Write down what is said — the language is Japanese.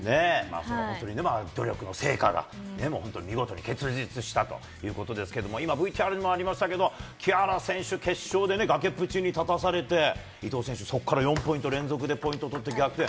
それは本当に努力の成果が、本当に見事に結実したということですけども、今、ＶＴＲにもありましたけれども、木原選手、決勝でがけっぷちに立たされて、伊藤選手、そこから４ポイント連続でポイント取って逆転。